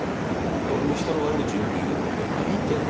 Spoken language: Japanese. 俺も人の悪口よく言うんでねあ似てんなと。